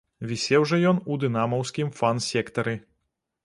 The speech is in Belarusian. Вісеў жа ён у дынамаўскім фан-сектары.